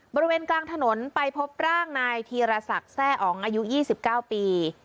บริเวณกลางถนนไปพบร่างนายธีรศักดิ์แร่อ๋องอายุ๒๙ปี